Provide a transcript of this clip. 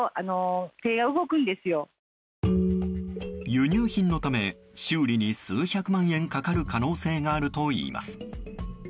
輸入品のため、修理に数百万円かかる可能性があるといいます。